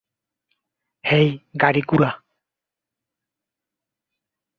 হেই, গাড়ি ঘুরা।